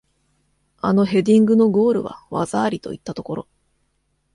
あのヘディングのゴールは技ありといったところ